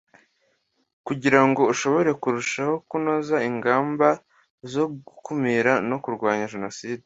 kugira ngo ishobore kurushaho kunoza ingamba zo gukumira no kurwanya jenoside